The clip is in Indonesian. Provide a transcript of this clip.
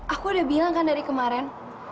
aku udah bilang kan dari kemarin